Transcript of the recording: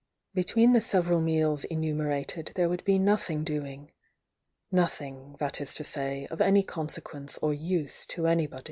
Between the several meals enumerated there would be nothing doing, — nothing, that is to say, of any consequence or use to anybody.